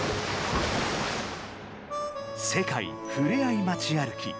「世界ふれあい街歩き」